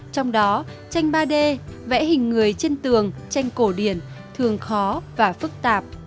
trong đó tranh ba d vẽ hình người trên tường tranh cổ điển thường khó và phức tạp